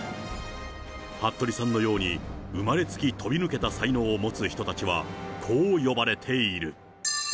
服部さんのように生まれつき飛び抜けた才能を持つ人たちはこう呼ばれている。